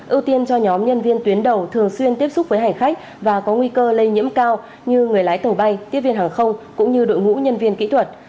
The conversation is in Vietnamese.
ưu tiên cho nhóm nhân viên tuyến đầu thường xuyên tiếp xúc với hành khách và có nguy cơ lây nhiễm cao như người lái tàu bay tiếp viên hàng không cũng như đội ngũ nhân viên kỹ thuật